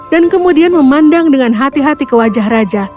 dan kemudian memandang dengan hati hati ke wajah raja